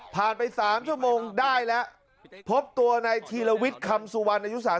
ผ่านไป๓ชั่วโมงได้ละ